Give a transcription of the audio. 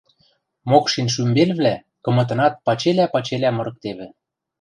Мокшин шӱмбелвлӓ кымытынат пачелӓ-пачелӓ мырыктевӹ.